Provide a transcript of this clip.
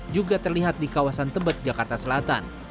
juga terlihat di kawasan tebet jakarta selatan